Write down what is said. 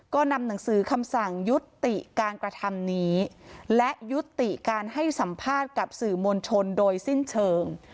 ก็นำหนังสือคำสั่งยุติการกระทำนี้และยุติการให้สัมภาษณ์กับสื่อมวลชนโดยสิ้นเชิง